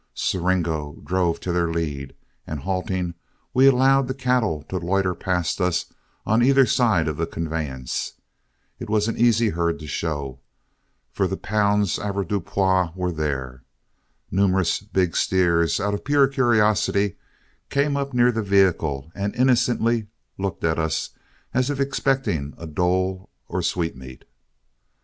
Siringo drove to their lead, and halting, we allowed the cattle to loiter past us on either side of the conveyance. It was an easy herd to show, for the pounds avoirdupois were there. Numerous big steers, out of pure curiosity, came up near the vehicle and innocently looked at us as if expecting a dole or sweetmeat.